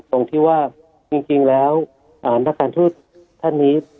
ตรงที่ว่าจริงแล้วนักการทูตท่านนี้